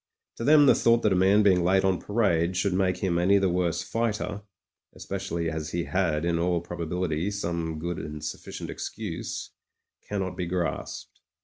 To them the thought that a man being late on parade should make him any the worse fighter— especially as he had, in all probability, some good and sufficient excuse — cannot be grasped.